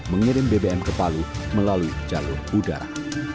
mengirim bbm ke palu melalui jalur udara